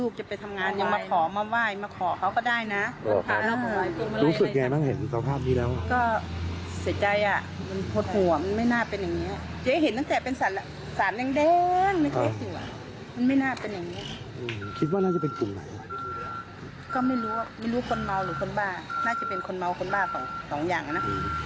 ก็ไม่รู้ไม่รู้คนเมาหรือคนบ้าน่าจะเป็นคนเมาคนบ้าสองอย่างนะ